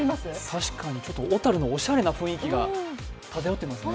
確かに小樽のおしゃれな雰囲気が漂ってますね。